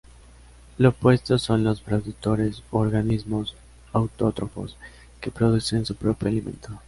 Lo opuesto son los productores u organismos autótrofos, que producen su propio alimento.